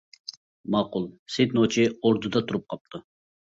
ماقۇل سېيىت نوچى، ئوردىدا تۇرۇپ قاپتۇ.